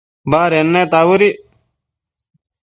baded neta bëdic